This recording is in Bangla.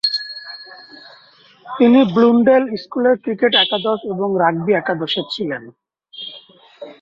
তিনি ব্লুন্ডেল স্কুলের ক্রিকেট একাদশ এবং রাগবি একাদশে ছিলেন।